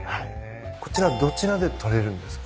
こちらどちらで捕れるんですか？